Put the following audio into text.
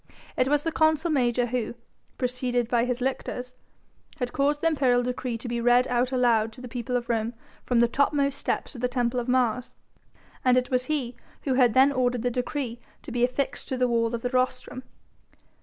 It was the consul major who, preceded by his lictors, had caused the imperial decree to be read out aloud to the people of Rome from the topmost steps of the Temple of Mars, and it was he who had then ordered the decree to be affixed to the wall of the rostrum.